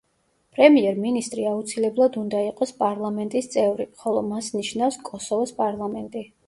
პრემიერ-მინისტრი აუცილებლად უნდა იყოს პარლამენტის წევრი, ხოლო მას ნიშნავს კოსოვოს პარლამენტი.